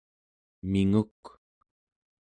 minguk